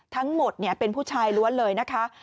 ทั้งหมดเป็นผู้ชายล้วนเลยนะคะ